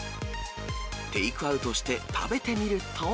テイクアウトして食べてみると。